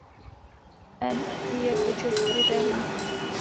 N je počet kritérií.